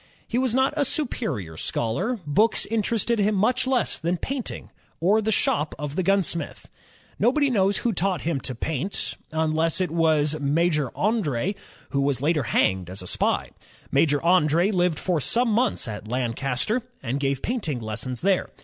He was not a superior scholar. Books interested him much less than painting or the shop of the gunsmith. Nobody knows who taught him to paint, unless it was Major Andr6, who was later hanged as a spy. Major Andr^ hved for some months at Lancaster and gave painting lessons there.